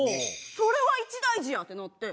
それは一大事やんってなって。